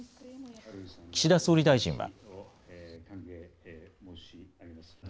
岸田総理大臣は。